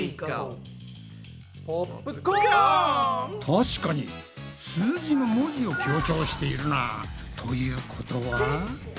確かに数字の文字を強調しているな。ということは？